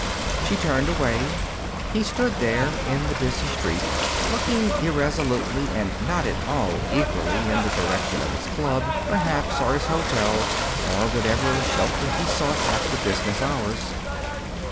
She turned away. He stood there, in the busy street, looking irresolutely and not at all eagerly in the direction of his club, perhaps, or his hotel, or whatever shelter he sought after business hours.